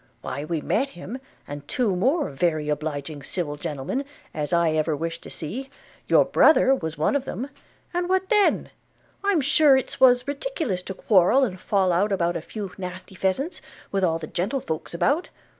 – why we met him, and two more very obliging civil gentlemen as I ever wish to see; your brother was one of them, and what then? I'm sure it's was ridiculous to quarrel and fall out about a few nasty pheasants, with all the gentlefolks about.